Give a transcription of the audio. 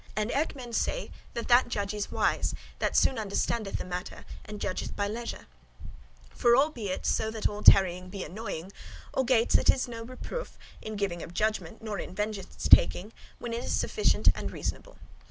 And eke men say, that that judge is wise, that soon understandeth a matter, and judgeth by leisure. For albeit so that all tarrying be annoying, algates [nevertheless] it is no reproof [subject for reproach] in giving of judgement, nor in vengeance taking, when it is sufficient and, reasonable.